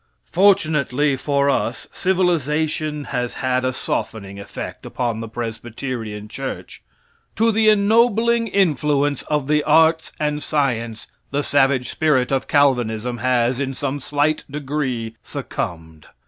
Fortunately for us, civilization has had a softening effect upon the Presbyterian church. To the ennobling influence of the arts and science the savage spirit of Calvinism has, in some slight degree, succumbed.